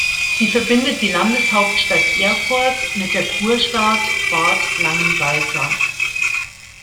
Sie verbindet die Landeshauptstadt Erfurt mit der Kurstadt Bad Langensalza.